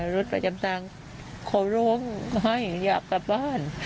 รถประจำทางขอร้องให้อยากกลับบ้าน